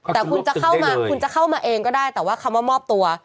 แต่คุณจะเข้ามาเองก็ได้แต่ว่าคำว่ามอบตัว